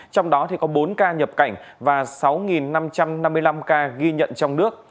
trong đó có bốn ca nhập cảnh và sáu năm trăm năm mươi năm ca ghi nhận trong nước